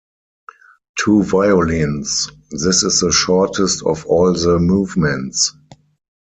Two violins: this is the shortest of all the movements.